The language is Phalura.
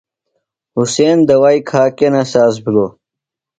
حسن دوائی کھا کینہ ساز بِھلوۡ ؟